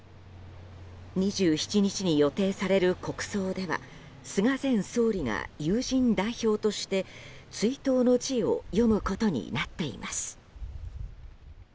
２７日に予定される国葬では菅前総理が友人代表として追悼の辞を読むことになっています。